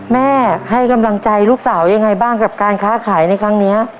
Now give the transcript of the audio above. ให้กำลังใจลูกสาวยังไงบ้างกับการค้าขายในครั้งนี้